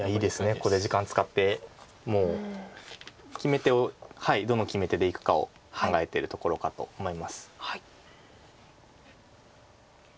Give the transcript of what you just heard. ここで時間使ってもう決め手をどの決め手でいくかを考えてるところかと思います。